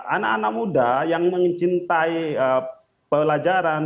anak anak muda yang mencintai pelajaran